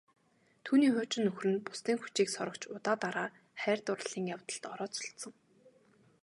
Түүний хуучин нөхөр нь бусдын хүчийг сорогч удаа дараа хайр дурлалын явдалд орооцолдсон.